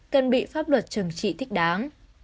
cần bị pháp luật trừng trị thích đáng